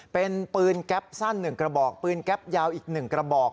เป็นปืนแก๊ปสั้น๑กระบอกปืนแก๊ปยาวอีก๑กระบอก